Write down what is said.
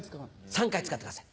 ３回使ってください。